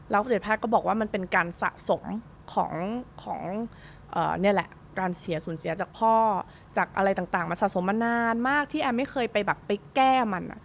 สิทธิแพทย์ก็บอกว่ามันเป็นการสะสมของนี่แหละการเสียสูญเสียจากพ่อจากอะไรต่างมาสะสมมานานมากที่แอมไม่เคยไปแบบไปแก้มัน